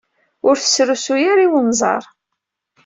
Ur t-srusuy ara i unẓar.